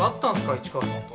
市川さんと。